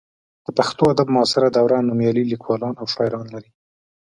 د پښتو ادب معاصره دوره نومیالي لیکوالان او شاعران لري.